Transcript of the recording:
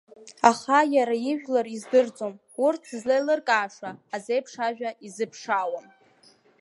Аха иара ажәлар издырӡом, урҭ дызлеилыркааша азеиԥш ажәа изыԥшаауам.